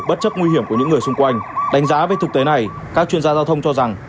bất chấp nguy hiểm của những người xung quanh đánh giá về thực tế này các chuyên gia giao thông cho rằng